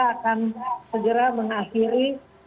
akan segera mengakhiri